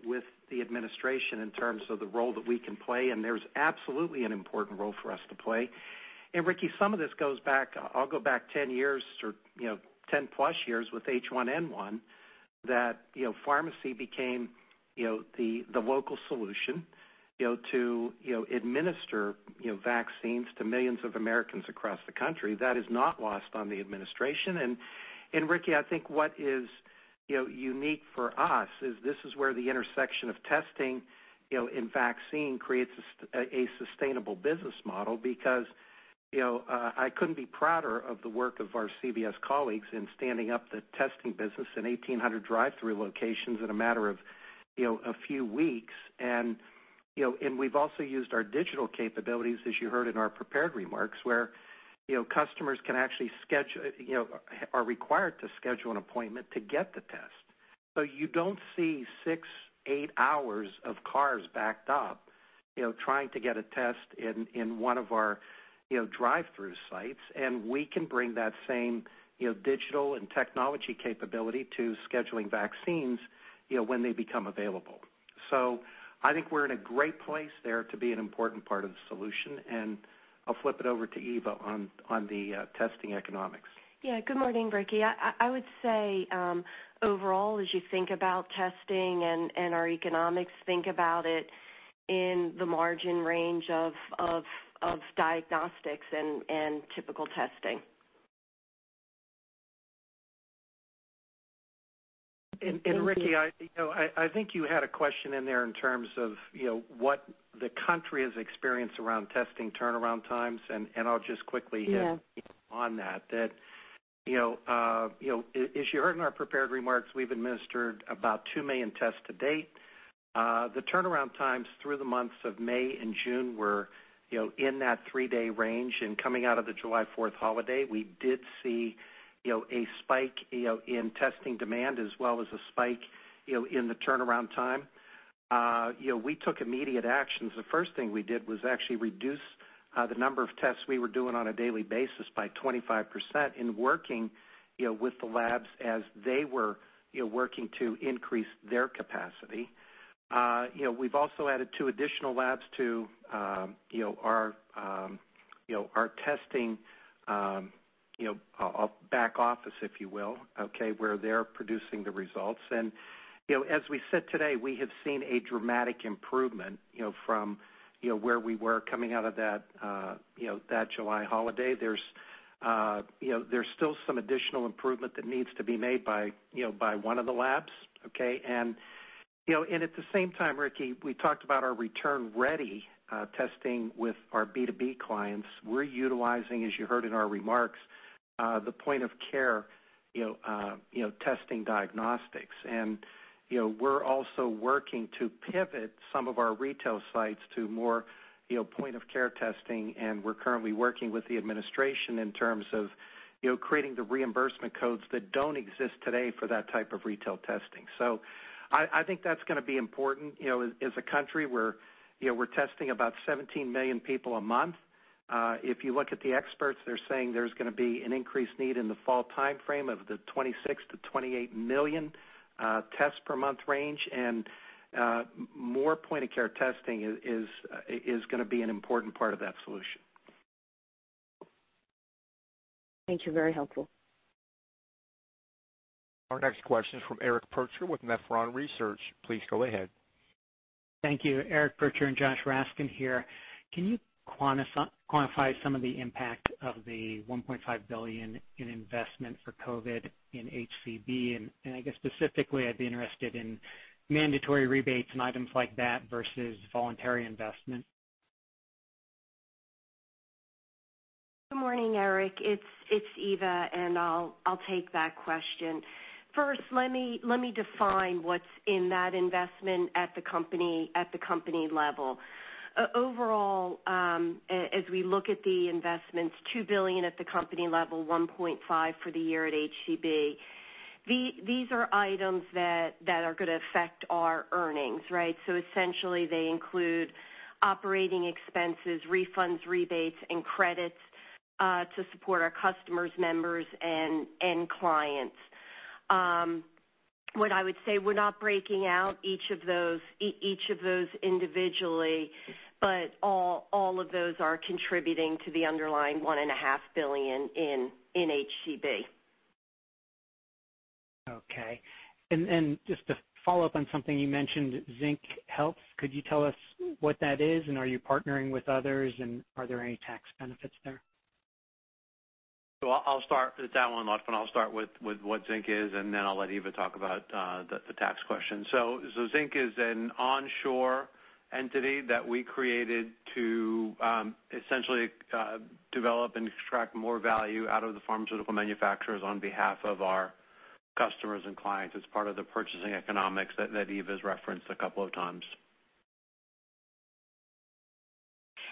with the administration in terms of the role that we can play, and there's absolutely an important role for us to play. Ricky, some of this goes back, I'll go back 10 years, or 10 plus years with H1N1, that pharmacy became the local solution to administer vaccines to millions of Americans across the country. That is not lost on the administration. Ricky, I think what is unique for us is this is where the intersection of testing and vaccine creates a sustainable business model because, I couldn't be prouder of the work of our CVS colleagues in standing up the testing business in 1,800 drive-thru locations in a matter of a few weeks. We've also used our digital capabilities, as you heard in our prepared remarks, where customers are required to schedule an appointment to get the test. You don't see six, eight hours of cars backed up trying to get a test in one of our drive-thru sites. We can bring that same digital and technology capability to scheduling vaccines when they become available. I think we're in a great place there to be an important part of the solution, and I'll flip it over to Eva on the testing economics. Yeah. Good morning, Ricky. I would say, overall, as you think about testing and our economics, think about it in the margin range of diagnostics and typical testing. Ricky, I think you had a question in there in terms of what the country has experienced around testing turnaround times and I'll just quickly get it on that. As you heard in our prepared remarks, we have administered about 2 million tests to date. The turnaround times through the months of May and June were in that three-day range. Coming out of the July 4th holiday, we did see a spike in testing demand as well as a spike in the turnaround time. We took immediate actions. The first thing we did was actually reduce the number of tests we were doing on a daily basis by 25% in working with the labs as they were working to increase their capacity. We have also added two additional labs to our testing back office, if you will. Where they are producing the results. As we said today, we have seen a dramatic improvement from where we were coming out of that July holiday. There's still some additional improvement that needs to be made by one of the labs, okay? At the same time, Ricky, we talked about our Return Ready testing with our B2B clients. We're utilizing, as you heard in our remarks, the point of care testing diagnostics. We're also working to pivot some of our retail sites to more point-of-care testing, and we're currently working with the administration in terms of creating the reimbursement codes that don't exist today for that type of retail testing. I think that's going to be important. As a country, we're testing about 17 million people a month. If you look at the experts, they're saying there's going to be an increased need in the fall timeframe of the 26 million-28 million tests per month range. More point-of-care testing is going to be an important part of that solution. Thank you. Very helpful. Our next question is from Eric Percher with Nephron Research. Please go ahead. Thank you. Eric Percher and Josh Raskin here. Can you quantify some of the impact of the $1.5 billion in investment for COVID in HCB? I guess specifically, I'd be interested in mandatory rebates and items like that versus voluntary investment. Good morning, Eric. It's Eva, and I'll take that question. First, let me define what's in that investment at the company level. Overall, as we look at the investments, $2 billion at the company level, $1.5 billion for the year at HCB. These are items that are going to affect our earnings, right? Essentially, they include operating expenses, refunds, rebates, and credits to support our customers, members, and clients. What I would say, we're not breaking out each of those individually, but all of those are contributing to the underlying $1.5 billion in HCB. Okay. Just to follow up on something you mentioned, Zinc Health, could you tell us what that is, and are you partnering with others, and are there any tax benefits there? I'll start that one off, and I'll start with what Zinc is, and then I'll let Eva talk about the tax question. Zinc is an onshore entity that we created to essentially develop and extract more value out of the pharmaceutical manufacturers on behalf of our customers and clients as part of the purchasing economics that Eva's referenced a couple of times.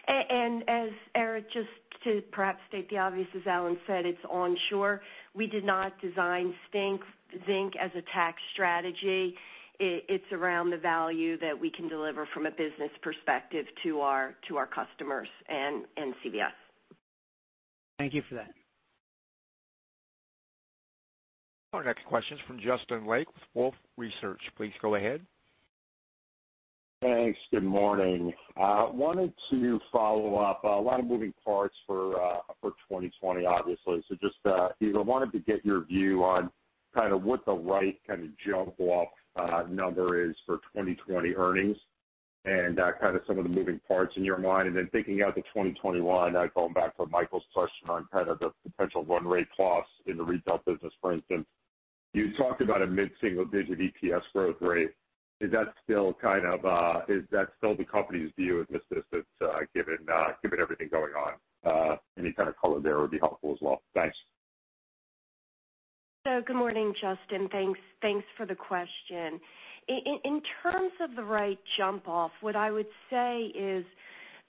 Eric, just to perhaps state the obvious, as Alan said, it's onshore. We did not design Zinc as a tax strategy. It's around the value that we can deliver from a business perspective to our customers and CVS. Thank you for that. Our next question is from Justin Lake with Wolfe Research. Please go ahead. Thanks. Good morning. Wanted to follow up. A lot of moving parts for 2020, obviously. Eva, wanted to get your view on kind of what the right kind of jump-off number is for 2020 earnings and kind of some of the moving parts in your mind. Thinking out to 2021, going back to Michael's question on kind of the potential run rate loss in the retail business, for instance. You talked about a mid-single-digit EPS growth rate. Is that still the company's view amidst this, given everything going on? Any kind of color there would be helpful as well. Thanks. Good morning, Justin. Thanks for the question. In terms of the right jump-off, what I would say is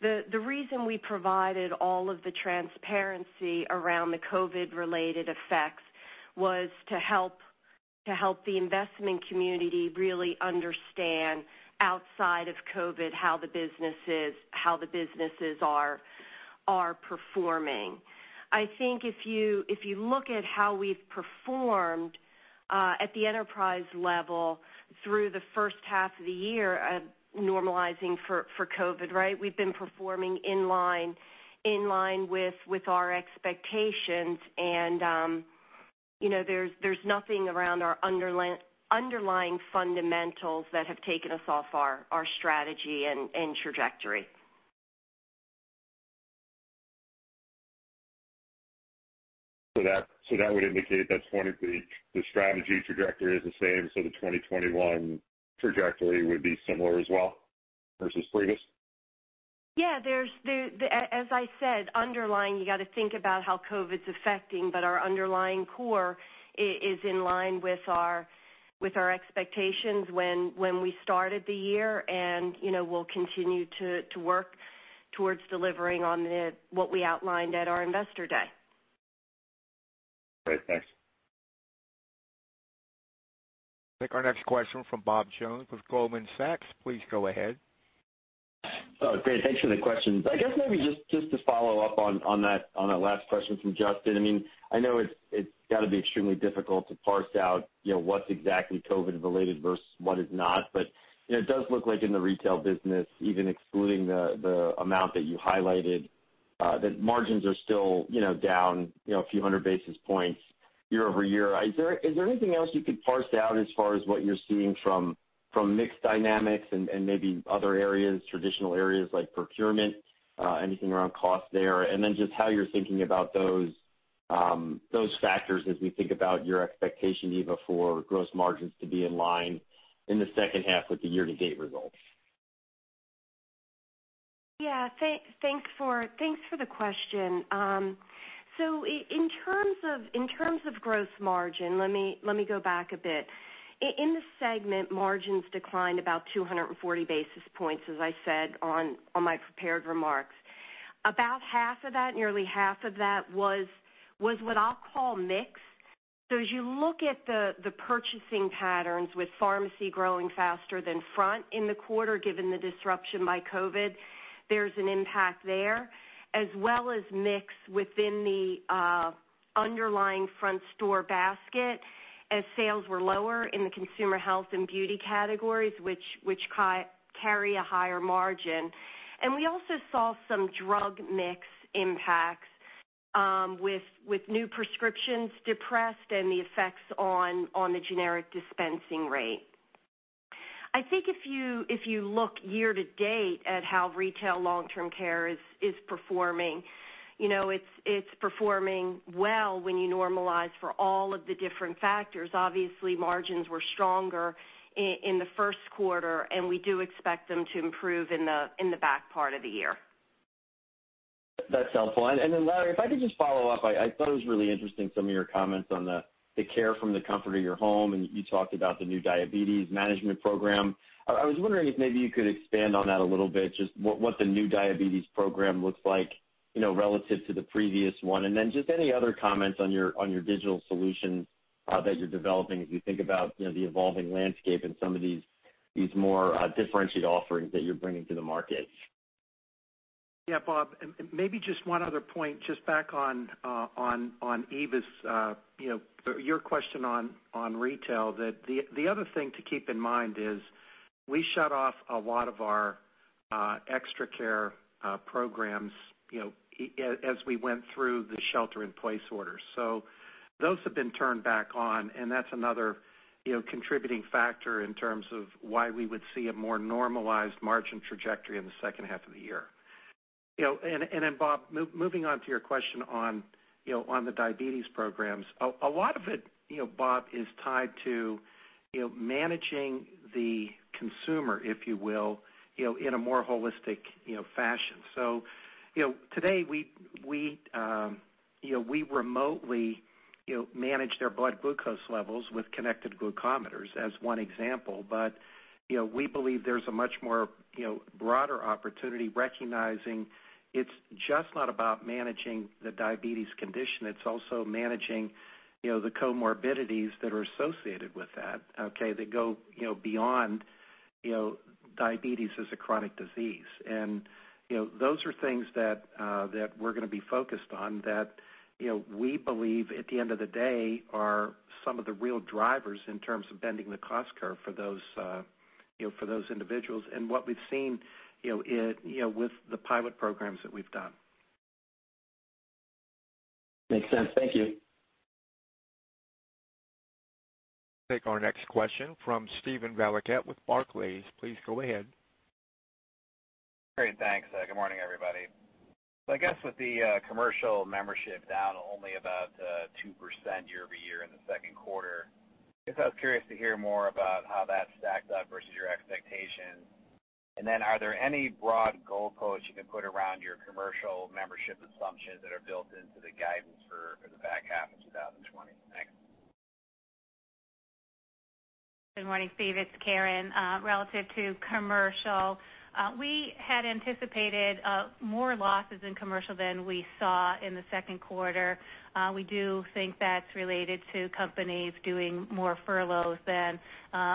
the reason we provided all of the transparency around the COVID-related effects was to help the investment community really understand, outside of COVID, how the businesses are performing. I think if you look at how we've performed at the enterprise level through the first half of the year, normalizing for COVID, right? We've been performing in line with our expectations, and there's nothing around our underlying fundamentals that have taken us off our strategy and trajectory. That would indicate that point of the strategy trajectory is the same, so the 2021 trajectory would be similar as well versus previous? Yeah. As I said, underlying, you got to think about how COVID's affecting, but our underlying core is in line with our expectations when we started the year, and we'll continue to work towards delivering on what we outlined at our investor day. Great. Thanks. Take our next question from Bob Jones with Goldman Sachs. Please go ahead. Great. Thanks for the question. I guess maybe just to follow up on that last question from Justin. I know it's got to be extremely difficult to parse out what's exactly COVID related versus what is not. It does look like in the retail business, even excluding the amount that you highlighted that margins are still down a few hundred basis points year-over-year. Is there anything else you could parse out as far as what you're seeing from mix dynamics and maybe other areas, traditional areas like procurement, anything around cost there? Just how you're thinking about those factors as we think about your expectation, Eva, for gross margins to be in line in the second half with the year-to-date results. Yeah. Thanks for the question. In terms of gross margin, let me go back a bit. In the segment, margins declined about 240 basis points, as I said on my prepared remarks. About half of that, nearly half of that was what I'll call mix. As you look at the purchasing patterns with pharmacy growing faster than front in the quarter, given the disruption by COVID-19, there's an impact there, as well as mix within the underlying front store basket as sales were lower in the consumer health and beauty categories, which carry a higher margin. We also saw some drug mix impacts with new prescriptions depressed and the effects on the generic dispensing rate. I think if you look year to date at how retail long-term care is performing, it's performing well when you normalize for all of the different factors. Margins were stronger in the first quarter, and we do expect them to improve in the back part of the year. That's helpful. Larry, if I could just follow up. I thought it was really interesting, some of your comments on the care from the comfort of your home, and you talked about the new diabetes management program. I was wondering if maybe you could expand on that a little bit, just what the new diabetes program looks like relative to the previous one, just any other comments on your digital solutions that you're developing as you think about the evolving landscape and some of these more differentiated offerings that you're bringing to the market. Bob, maybe just one other point, just back on Eva's, your question on retail, that the other thing to keep in mind is we shut off a lot of our ExtraCare programs as we went through the shelter-in-place order. Those have been turned back on, and that's another contributing factor in terms of why we would see a more normalized margin trajectory in the second half of the year. Bob, moving on to your question on the diabetes program. A lot of it, Bob, is tied to managing the consumer, if you will, in a more holistic fashion. Today, we remotely manage their blood glucose levels with connected glucometers, as one example. We believe there's a much more broader opportunity recognizing it's just not about managing the diabetes condition, it's also managing the comorbidities that are associated with that, okay, that go beyond diabetes as a chronic disease. Those are things that we're going to be focused on that, we believe, at the end of the day, are some of the real drivers in terms of bending the cost curve for those individuals, and what we've seen with the pilot programs that we've done. Makes sense. Thank you. Take our next question from Steven Valiquette with Barclays. Please go ahead. Great. Thanks. Good morning, everybody. I guess with the commercial membership down only about 2% year-over-year in the second quarter, I guess I was curious to hear more about how that stacked up versus your expectations. Are there any broad goalposts you can put around your commercial membership assumptions that are built into the guidance for the back half of 2020? Thanks. Good morning, Steven. It's Karen. Relative to commercial, we had anticipated more losses in commercial than we saw in the second quarter. We do think that's related to companies doing more furloughs than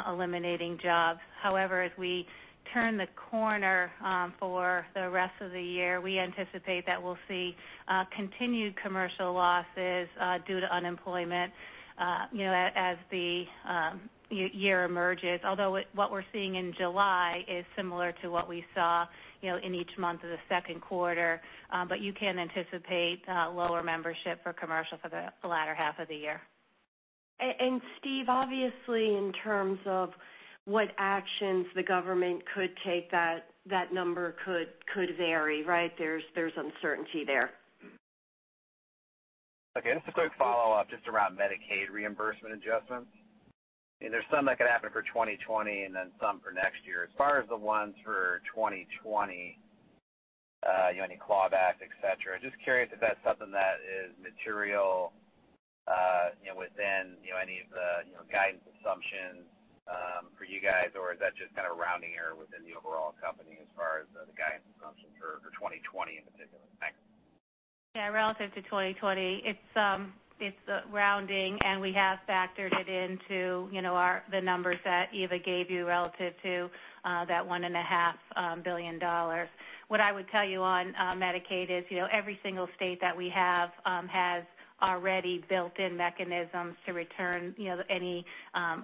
eliminating jobs. However, as we turn the corner for the rest of the year, we anticipate that we'll see continued commercial losses due to unemployment as the year emerges. Although what we're seeing in July is similar to what we saw in each month of the second quarter. You can anticipate lower membership for commercial for the latter half of the year. Steven, obviously, in terms of what actions the government could take, that number could vary, right? There's uncertainty there. Okay. Just a quick follow-up, just around Medicaid reimbursement adjustments. There is some that could happen for 2020 and then some for next year. As far as the ones for 2020, any clawback, et cetera, just curious if that is something that is material within any of the guidance assumptions for you guys, or is that just kind of rounding error within the overall company as far as the guidance assumptions for 2020 in particular? Thanks. Yeah. Relative to 2020, it's rounding, and we have factored it into the numbers that Eva gave you relative to that $1.5 billion. What I would tell you on Medicaid is every single state that we have has already built-in mechanisms to return any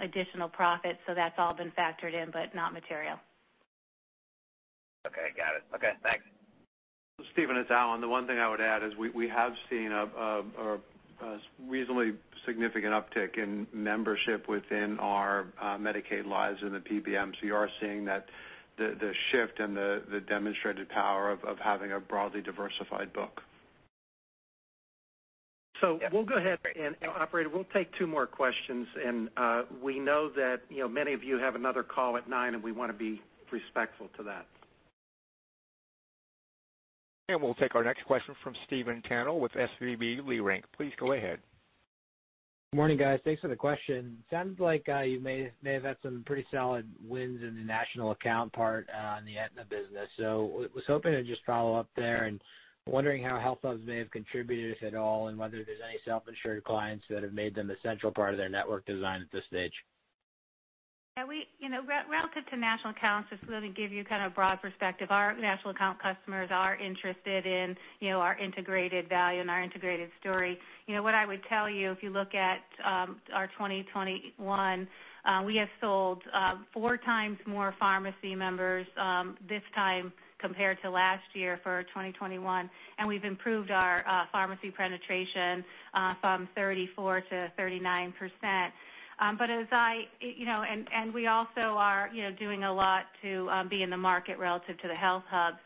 additional profits. That's all been factored in, but not material. Okay, got it. Okay, thanks. Steven, it's Alan. The one thing I would add is we have seen a reasonably significant uptick in membership within our Medicaid lives in the PBM. You are seeing the shift and the demonstrated power of having a broadly diversified book. We'll go ahead, and operator, we'll take two more questions, and we know that many of you have another call at 9:00 A.M., and we want to be respectful to that. We'll take our next question from Stephen Tanal with SVB Leerink. Please go ahead. Morning, guys. Thanks for the question. Sounds like you may have had some pretty solid wins in the national account part on the Aetna business. Was hoping to just follow up there and wondering how HealthHUBs may have contributed, if at all, and whether there's any self-insured clients that have made them a central part of their network design at this stage. Relative to national accounts, just want to give you kind of broad perspective. Our national account customers are interested in our integrated value and our integrated story. What I would tell you, if you look at our 2021, we have sold four times more pharmacy members this time compared to last year for 2021, and we've improved our pharmacy penetration from 34% to 39%. We also are doing a lot to be in the market relative to the HealthHUBs.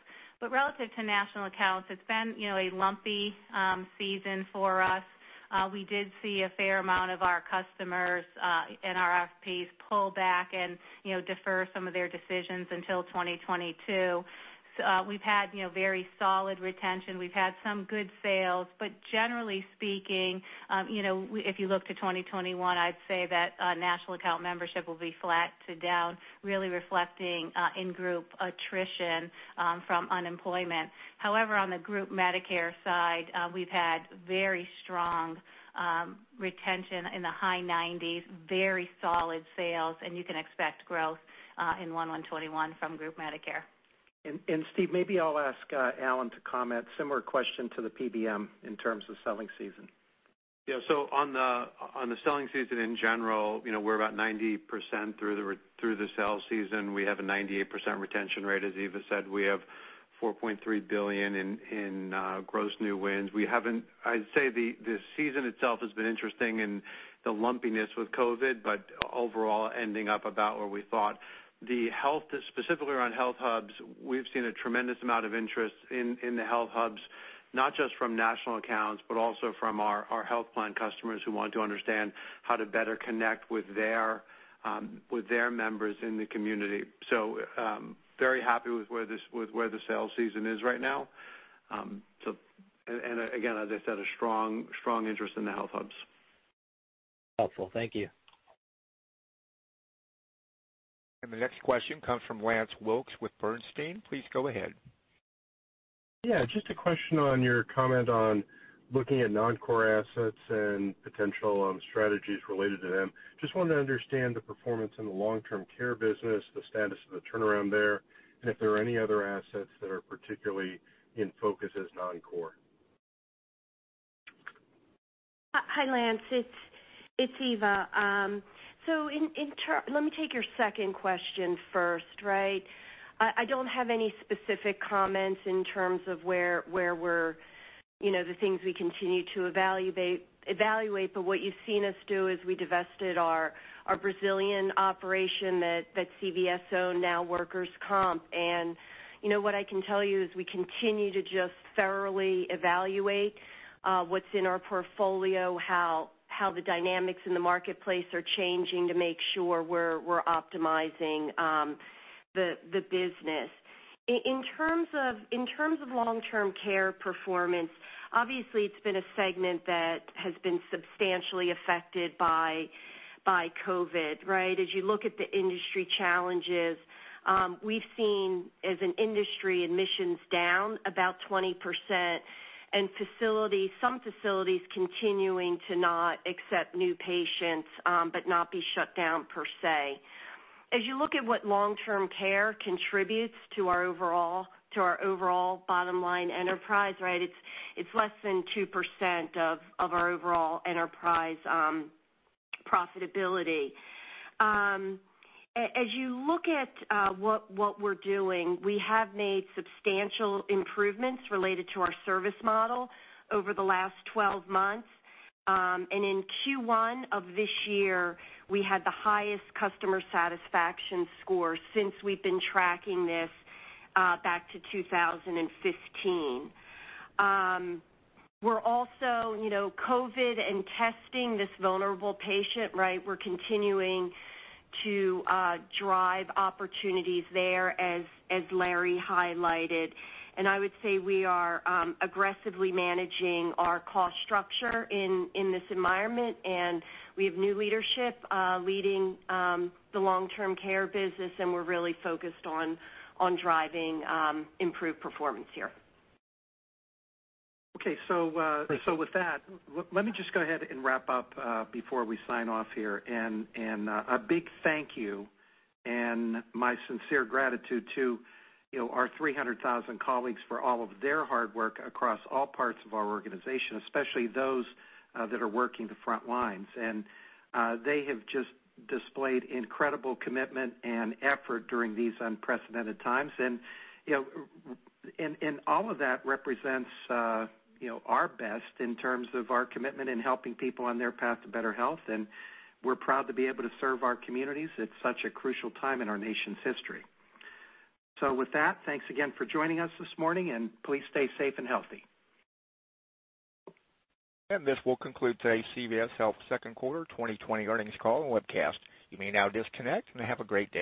Relative to national accounts, it's been a lumpy season for us. We did see a fair amount of our customers in RFPs pull back and defer some of their decisions until 2022. We've had very solid retention. We've had some good sales, but generally speaking, if you look to 2021, I'd say that national account membership will be flat to down, really reflecting in-group attrition from unemployment. On the group Medicare side, we've had very strong retention in the high 90s, very solid sales, and you can expect growth in 2021 from group Medicare. Steve, maybe I'll ask Alan to comment. Similar question to the PBM in terms of selling season. Yeah, on the selling season in general, we're about 90% through the sell season. We have a 98% retention rate. As Eva said, we have $4.3 billion in gross new wins. I'd say the season itself has been interesting in the lumpiness with COVID-19, but overall ending up about where we thought. Specifically around HealthHUBs, we've seen a tremendous amount of interest in the HealthHUBs, not just from national accounts, but also from our health plan customers who want to understand how to better connect with their members in the community. Very happy with where the sell season is right now. Again, as I said, a strong interest in the HealthHUBs. Helpful. Thank you. The next question comes from Lance Wilkes with Bernstein. Please go ahead. Yeah, just a question on your comment on looking at non-core assets and potential strategies related to them. Just wanted to understand the performance in the long-term care business, the status of the turnaround there, and if there are any other assets that are particularly in focus as non-core. Hi, Lance, it's Eva. Let me take your second question first. I don't have any specific comments in terms of the things we continue to evaluate, but what you've seen us do is we divested our Brazilian operation that CVS owned, and our workers' comp. What I can tell you is we continue to just thoroughly evaluate what's in our portfolio, how the dynamics in the marketplace are changing to make sure we're optimizing the business. In terms of long-term care performance, obviously it's been a segment that has been substantially affected by COVID. As you look at the industry challenges, we've seen, as an industry, admissions down about 20% and some facilities continuing to not accept new patients, but not be shut down per se. As you look at what long-term care contributes to our overall bottom line enterprise, it's less than 2% of our overall enterprise profitability. As you look at what we're doing, we have made substantial improvements related to our service model over the last 12 months. In Q1 of this year, we had the highest customer satisfaction score since we've been tracking this back to 2015. COVID and testing, this vulnerable patient, we're continuing to drive opportunities there as Larry highlighted. I would say we are aggressively managing our cost structure in this environment, and we have new leadership leading the long-term care business, and we're really focused on driving improved performance here. Okay. With that, let me just go ahead and wrap up before we sign off here. A big thank you and my sincere gratitude to our 300,000 colleagues for all of their hard work across all parts of our organization, especially those that are working the front lines. They have just displayed incredible commitment and effort during these unprecedented times. All of that represents our best in terms of our commitment in helping people on their path to better health, and we're proud to be able to serve our communities at such a crucial time in our nation's history. With that, thanks again for joining us this morning, and please stay safe and healthy. This will conclude today's CVS Health Second Quarter 2020 Earnings Call and Webcast. You may now disconnect, and have a great day.